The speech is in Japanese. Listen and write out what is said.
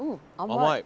甘い。